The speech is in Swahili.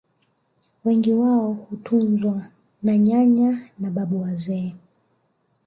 Wengi wao hutunzwa na nyanya na babu wazee